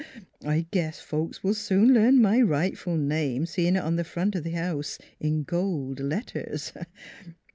I guess folks will soon learn my rightful name seeing it on the front of the house in gold letters.